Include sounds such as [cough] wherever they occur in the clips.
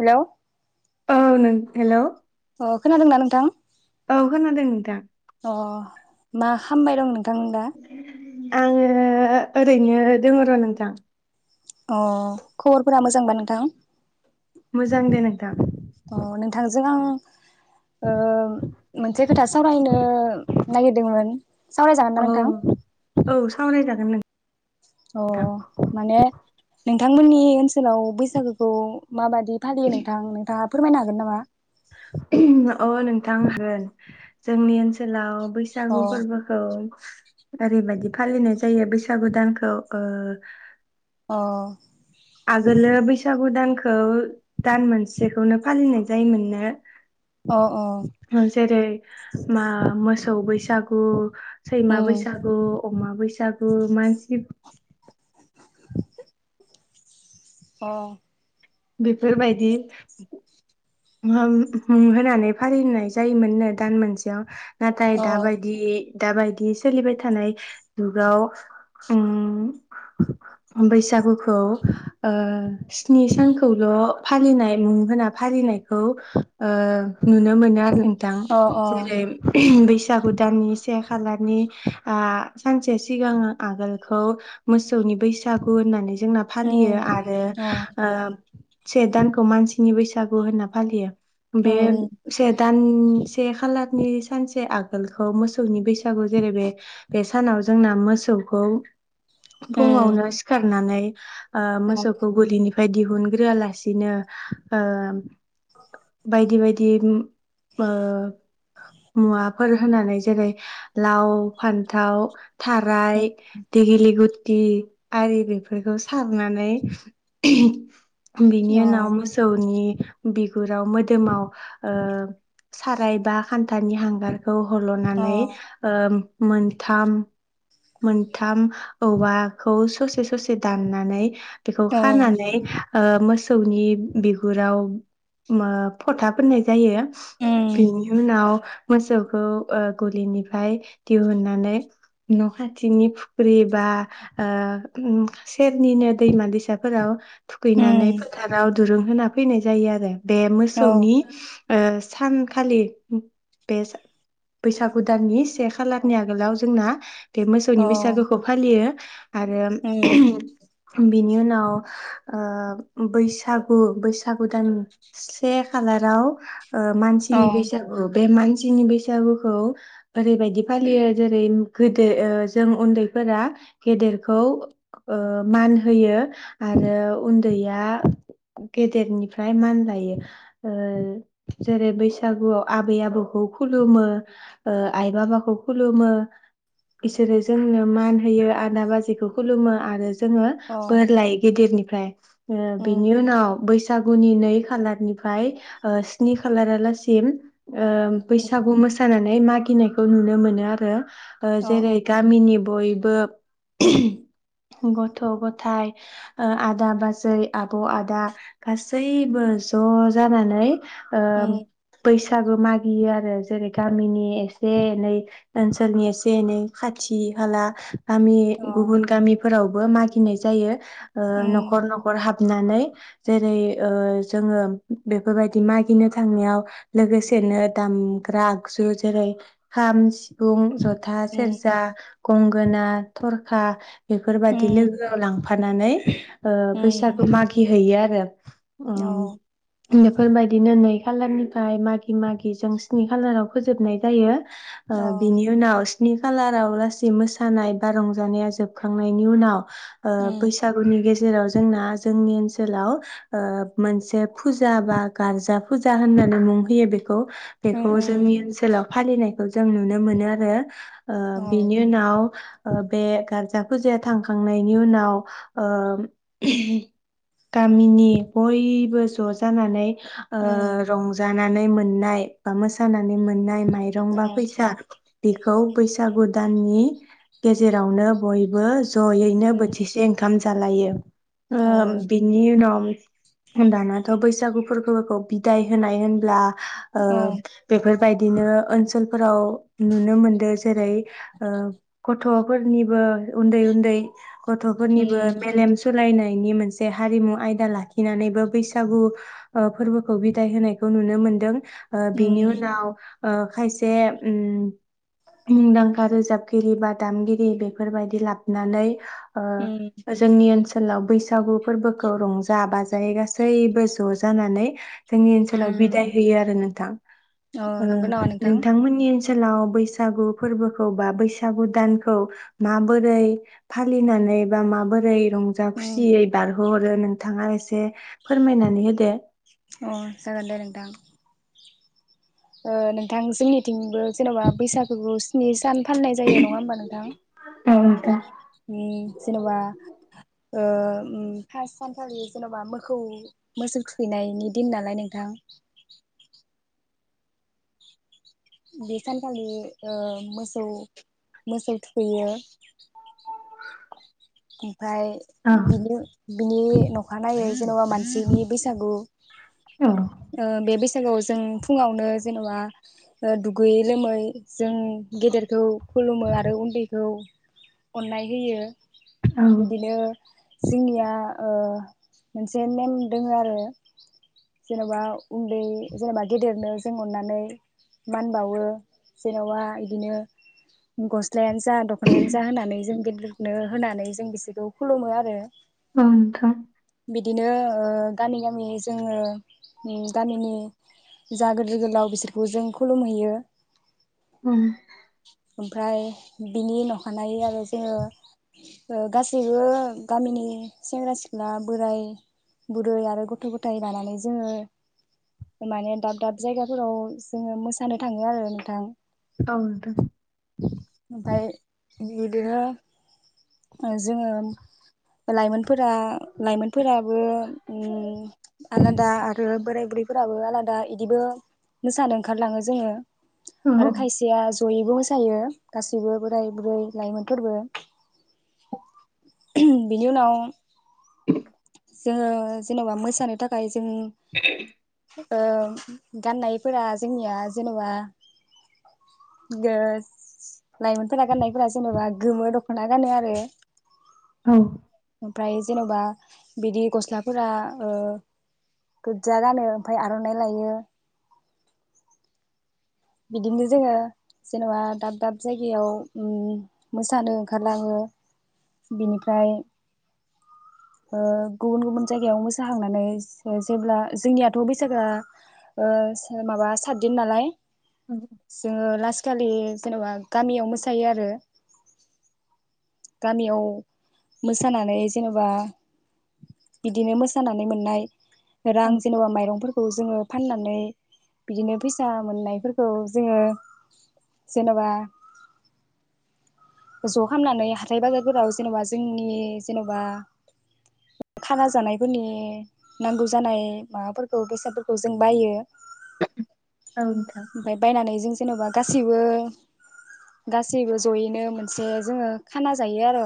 Hello औ नों hello अ खोनादोंना नोंथां औ खोनादों नोंथां अ मा खामबाय दं नों थां दा आङो ओरैनो दोङो र' नोंथा अह खबरफोरा मोजांबा नोंथां। मोजां दे नोंथां। अ नोंथांजों आं ओ मोनसे खोथा सावरायनो नागिरदोंमोन। सावरायजागोन ना नोंथां अह औ सावरायजागोन नों अ माने नों थांमोननि ओनसोलाव बैसागोखौ माबादि फालियो नोंथां नोंथाङा फोरमायनो हागोन नामा ओ-होम अह नोंथां हागोन जोंनि ओनसोलाव अ बैसागु फोरबोखौ ओरैबायदि फालिनाय जायो बैसागु दानखौ ओ अ आगोलो बैसागु दानखौ दान मोनसेखौनो फालिनाय जायोमोननो अ अ जेरै मा मोसौ बैसागु सैमा उम बैसागु अमा बैसागु मानसि अह बेफोरबायदि होम होनानै फालिनाय जायोमोननो दान मोनसेयाव नाथाय अ दाबायदि दाबायदि सोलिबाय थानाय जुगाव ओम बैसागुखौ ओ स्नि सान खौल फालिनाय मुं होना फालिनायखौ ओ नुनो मोनो आरो नों थां अ अ जेरै बैस सागु दाननि से खालारनि आ सानसे सिगां आगोलखौ मोसौनि बैसागु होननानै जोंना फालियो उम आरो अ ओ से दानखौ मानसिनि बैसागु होनना फालियो बे उम से दान ओम से खालारनि सानसे आगोलखौ मोसौनि बैसा सागु जेरै बे बे सानाव जोंना मोसौखौ उम फुङावनो सिखारनानै [inaudible] ओ अ मोसौखौ गुलिनि फाय दिहुन ग्रोआ लासिनो ओ बायदि बायदि ओ मुवाफोर होनानै जेरै लाव फान्थाव उम थाराय देगिलि गुटि आरि बेफोरखौ सारनानै बिनि उनाव अ मोसौनि बिगुराव मोदोमाव ओ साराय बा खान्थानि हांगार‌ खौ अ हल'नानै ओम मोनथाम मोनथाम औवाखौ ससे ससे दाननानै बेखौ अ खानानै ओ मोसौनि बिगुराव मो फथा फोननाय जायो। उम बिनि उनाव मोसौ खौ ओ गलिनिफ्राय दिहुननानै न' खाथिनि फुख्रि बा ओ सेरनिनो दैमा दैसाफोराव थुखैनानै उम फोथाराव दुरुं होना फैनाय जायो आरो बे अ मोसौनि ओ सानखालि बे बैसागु दाननि से खालारनि आगोलाव जोंना बे अ मोसौनि बैसागोखौ फालियो आरो उम बिनि उनाव ओ बैसागु बैसागु दान से खालाराव ओ अ मानसिनि बैसागु बे मानसिनि बैसागुखौ ओरैबायदि फालियो जेरै गोद ओ जों उन्दैफोरा गेदेरखौ ओ मान होयो आरो उन्दैया गेदेरनिफ्राय मान लायो ओ जेरै बैसागुवाव आबै आबौखौ खुलुमो ओ आइ बाबाखौ खुलुमो इसोरो जोंनो मान होयो आदा बाजैखौ खुलुमो आरो जोङो अ बोर लायो गिदिरनि फ्राय ओ बिनि उनाव बैसा सागुनि नै खालारनिफ्राय ओ स्नि खालारालासिम ओ बैसागु मोसानानै मागि नायखौ नुनो मोनो आरो ओ जेरै गामिनि बय बो गथ' गथाय ओ आदा बाजै आब' आदा गासैबो ज' जानानै ओम उम बैस बैसाबो मागियो आरो जेरै गामिनि एसे एनै ओनसोलनि एसे एनै खाथि खाला गामि अ गुबुन गामिफोराव बो मागिनाय जायो। ओ उम न'खर न'खर हाब नानै जेरै जोङो बेफोरबायदि मागिनो थांनायाव लोगोसेनो दामग्रा आगजु जेरै खाम सिफुं ज था सेेरजा गं गोना, थरखा बेफोरबादि उम लोगोआव लांफा फानानै ओ उम बैसागु मागि हैैयो आ रो। अ उम बेफोरबायदिनो नै खालारनिफ्राय मागि मागि जों स्नि खाालाराव फोजोबनाय जायो। ओ अ बिनि उनाव स्नि खालाराव गासै मोसानाय बा रंजानाया जोबखांनायनि उनाव ओ उम बैसागुनि गेजे जेराव जोंना जोंनि ओनसोलाव ओ मोनसे फुजा बा गारजा फुजा होननानै मुं होयो बे खौ बेखौ उम जोंनि ओनसोलाव फालिनाय जों नुनो मोनो आरो। ओ अ बिनि उनाव ओ बे गार्जा फुजाया थांखांनायनि उनाव ओ गामिनि बयबो ज' जानानै ओ उम रंजा नानै मोननाय बा मोसानानै मोननाय माइरंबा फैसा बिखौ बैसागु दाननि गेजेरावनो बयबो ज'यैनो बोथिसे ओंख खामजालायो। ओ बिनि उनाव दानाथ' बैसागुफोरखौ बोफोरखौ बिदाय होनाय होनब्ला ओ बेफोरबायदिनो ओनसो थोनफोराव नुनो मोनदों जेरै ओ गथ गथ'फोरनिबो उन्दै उन्दै गथ'फोरनिबो मेलेम सोलायनाय नि मोनसे हारिमु आयदा लाखिनानैबो बैसागु ओ फोरबोखौ बिदाय होनायखौ नुनो मोनदों। ओ बिनि उनाव ओ खायसे उम मुंदांखा रोजाबगिरि बा दामगिरि बेफोरबायदि लाबनानै ओ जोंनि ओनसोलाव बैसा सागु फोरबोखौ रंजा बाजायै गासैबो ज' जानानै जोंनि ओनसोलाव बिदाय होयो आरो नों थां। अ नंगौ ओं नामा नोंथां नोंथांमोननि ओनसो सोलाव बैसा सागु फोरबोखौ बा बैसागु दानखौ माबोरै फालिनानै बा माबोरै रंजा खुसियै बारहोहर रो नोंथाङा एसे फोरमायनानै होदो अ जागोनदे नोंथां। ओ नोंथां जोंनिथिंबो जेन'बा बैसागुखौ स्नि सान फालिनाय जायो नङा होमबा नोंथां उम जेन'बा ओ उम फास सानखालि जेन'बा मोखौ मोसौ थुखैनायनि दिन नालाय नोंथां। बे सानखालि ओ मोसौ मोसौ थुखैयो। [unintelligible] फाय बिनो बिनि नखानायै जेन'बा मानसिनि बैसागु औ। ओ बे बैसागुआव जों फुङावनो जेन'बा ओ दुगैयै लोमै जों गेदेरखौ खुलुमो आरो उन्दैखौ अननाय होयो। औ नोंथां औ बिदिनो जोंनिया ओ मोनसे नेम दोङो आरो जेन'बा उन्दै जेनेबा गेदेरनो जों अननानै मान बावो जेन'बा इदिनो गस्ला जा दख'नायानो जा होनानै जों गेदिरनो होनानै बिसोरखौ खुलुमो आरो। नोंथां बिदिनो ओ गामि गामि जोङो उम गामिनि जा गोदिर गोलाव बिसोरखौ जों खुलुम हैयो। उम‌। ओमफ्राय बिनि नखानायै आरो जोङो ओ गासैबो गामिनि सेंग्रा सिख्ला बोराय बुरै आरो गथ' गथाय लानानै जोङो माने दाब दाब जायगाफोराव जोङो मोसानो थाङो आरो नोंथां। औ नोंथां। ओमफाय बिदिनो ओ जोङो लाइमोन फोरा लाइमोनफोराबो उम आलादा आरो बोराय बुरैफोराबो आलादा इदिबो मोसानो ओंखारलाङो जोङो। आरो नोंथां खायसेया जयैबो मोसायो। गासैबो बोराय बुरै लाइमोनफोरबो। बिनि उनाव [unintelligible] जोङो जेन'बा मोसानो थाखाय जों ओ गाननायफोरा जोंनिया जेनबा ग [unintelligible] लाइमोनफोरा गाननायफोरा जेनेबा गोमो दख'ना गानो आरो औ ओमफ्राय जेन'बा बिदि गस्लाफोरा ओ गोज्जा गानो ओमफाय आर'नाइ लायो। बिदिनो जोङो जेनबा दाब दाब जायगायाव ओ उम मोसानो ओंखारलाङो बिनिफ्राय ओ गुबुन गुबुन जायगायाव मोसाहांनानै जेब्ला जोंनियाथ' बैसागो आ ओ माबा सातदिन नालाय औ जोङो लासखालि जेन'बा गामियाव मोसायो आरो गामियाव मोसानानै जेनबा बिदिनो मोसानानै मोननाय औ रां जेनबा माइरंफोर खौ जोङो फाननानै बिदिनो फैसा मोननायफोरखौ जोंङो जेनबा ज' खामनानै हाथाइ बाजारफोराव जेन'बा जोंनि जेन'बा खाना जानायफोरनि नांगौ जानाय माबाफोरखौ बेसादफोरखौ जों बायो। औ नोंथां ओमफाय बायनानै जों जेनबा गासैबो गासैबो जयैनो मोनसे जोङो खाना जायो आर'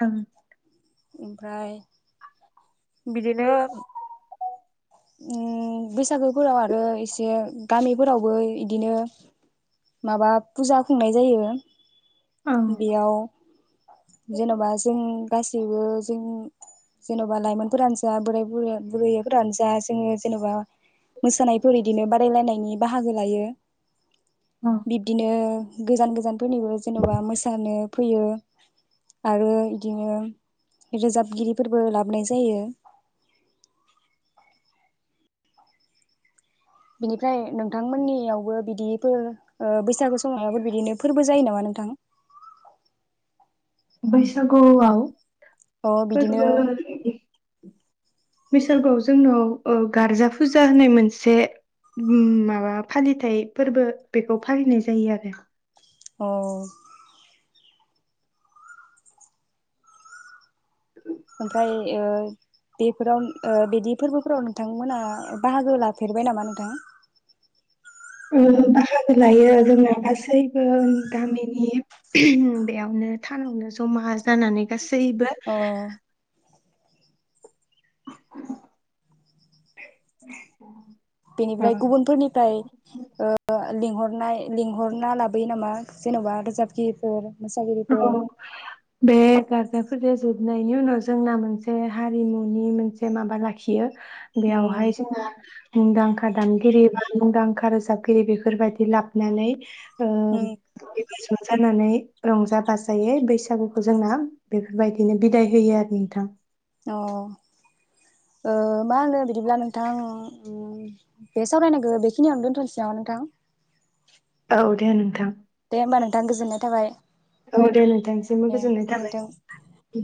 औ ओमफ्राय बिदिनो उम बैसागोफोराव आरो एसे गामिफोरावबो इदिनो माबा फुजा खुंनाय जायो। ओं बेयाव जेन'बा जों गासैबो जों जेन'बा लाइमोनफोरानो जा बोराय बुरैयानो बुरै फोरानो जा जोङो जेन'बा मोसानायफोर इदिनो बादायलायनायनि बाहागो लायो। औ बिब्दिनो गोजान गोजानफोरनिबो जेन'बा मोसानो फैयो। आरो इदिनो रोजाबगिरिफोरबो लाबोनाय जायो। बिनिफ्राय नोंथांमोननियावबो बिदिफोर ओ बैसागु समायफोर बिदिनो फोरबो जायो नामा नोंथां? बैसागुआव अ बिदिनो फोरबो [unintelligible] बैसगुआव जोंनाव अ गारजा फुजा होननाय मोनसे म-माबा फालिथाय फोरबो बेखौ फालिनाय जायो आरो अ ओमफ्राय ओ बेफोराव ओ बिदि फोरबोफोराव नोंथांमोना बाहागो लाफेरबाय नामा नोंथां? ओ बाहागो लायो जोंना गासैबो गामिनि बेयावनो थान आवनो जमा जानानै गा सैबो अ [unintelligible] बेनिफ्राय गुबुनफोरनिफ्राय ओ लिंहरनाय लिंहरना लाबोयो नामा जेन'बा रोजाबगिरिफोर मोसागिरिफोर औ बे गार्जेनफोरना जोबनायनि उनाव जोंना मोनसे हारिमुनि मोनसे माबा लाखियो। उम बेयावहाय जोङो मुंदांखा दामगिरि बा मुंदांखा रोजाबगिरि बेफोरबायदि लाबोनानै ओ उम ज' जानानै रंजा बाजायै बैसागुखौ जोंना बेफोरबायदिनो बिदाय होयो आरो नोंथां। अ ओ मा होनो बिदिब्ला नोंथां बे सावरायनायखो बेखिनियावनो दोनथ'नोसै नामा नोंथां? औ दे नोंथां। दे होमबा नोंथां गोजोननाय थाबाय। औ दे नोंथांमसिबो दे गोजोननाय गोजोन्थों थाबाय।